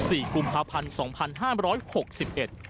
สี่กุมภาพันธ์สองพันห้ามร้อยหกสิบเอ็ด